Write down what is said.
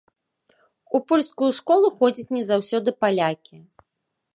У польскую школу ходзяць не заўсёды палякі.